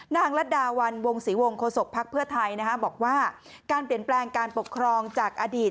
ลัดดาวันวงศรีวงโฆษกภักดิ์เพื่อไทยบอกว่าการเปลี่ยนแปลงการปกครองจากอดีต